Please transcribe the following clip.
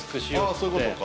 そういうことか。